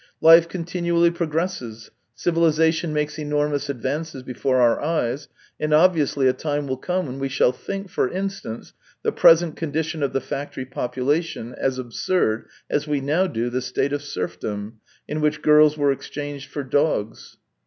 Life continually progresses, civilization makes enormous advances before our eyes, and obviously a time will come when we shall think, for instance, the present condition of the factory population as absurd as we now do the state of serfdom, in which girls were exchanged for dogs."